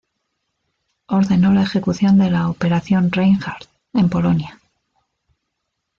Ordenó la ejecución de la "Operación Reinhard" en Polonia.